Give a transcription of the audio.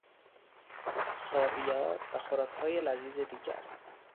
خاویار و خوراکهای لذیذ دیگر